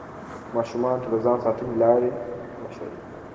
ماشومانو ته د ځان ساتنې لارې وښایئ.